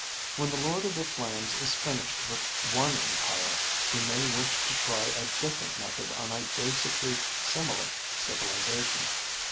When the Lord of the Flames is finished with one empire, he may wish to try a different method on a basically similar civilization.